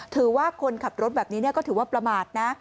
ถือว่าคนขับรถแบบนี้ก็ถือว่าประมาทนะ